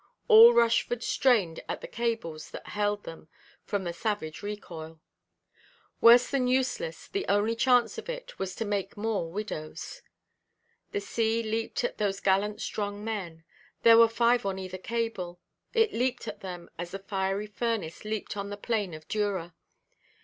All Rushford strained at the cables that held them from the savage recoil. Worse than useless; the only chance of it was to make more widows. The sea leaped at those gallant strong men; there were five on either cable; it leaped at them as the fiery furnace leaped on the plain of Dura.